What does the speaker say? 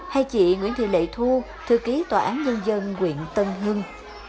hai chị nguyễn thị lệ thu thư ký tòa án dân dân quyện tân hưng